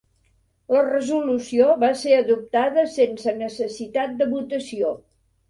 La resolució va ser adoptada sense necessitat de votació.